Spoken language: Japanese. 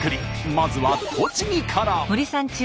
まずは栃木から。